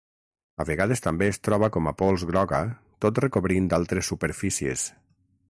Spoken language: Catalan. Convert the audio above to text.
A vegades també es troba com a pols groga tot recobrint altres superfícies.